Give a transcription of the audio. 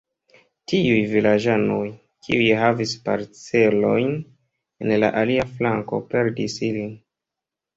Tiuj vilaĝanoj, kiuj havis parcelojn en la alia flanko, perdis ilin.